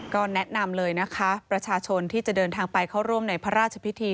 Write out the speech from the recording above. ก็แนะนำเลยนะคะประชาชนที่จะเดินทางไปเข้าร่วมในพระราชพิธี